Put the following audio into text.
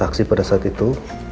saksi pada saat itu